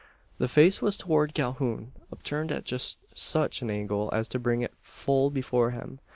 The face was toward Calhoun upturned at just such an angle as to bring it full before him.